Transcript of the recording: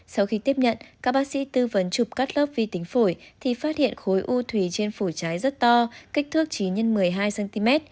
sau khi tiếp nhận các bác sĩ tư vấn chụp cắt lớp vi tính phổi thì phát hiện khối u thủy trên phổi trái rất to kích thước chỉ x một mươi hai cm